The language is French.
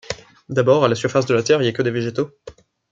D’abord à la surface de la terre il n’y a que des végétaux.